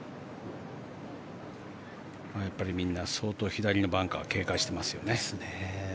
やっぱりみんな相当左のバンカーを警戒していますね。